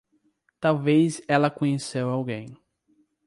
Talvez ela conheceu alguém.